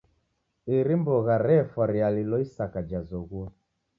iri mbogha refwa rialilo isaka jazoghua.